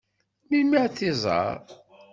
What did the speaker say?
Melmi ad t-iẓeṛ?